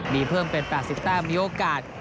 มีเพิ่มเป็น๘๐แต้มมีโอกาส